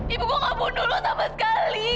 ibu gua gak bunuh lu sama sekali